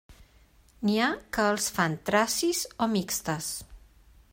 N'hi ha que els fan tracis o mixtes.